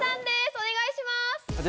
お願いします！